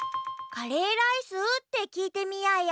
「カレーライス？」ってきいてみようよ。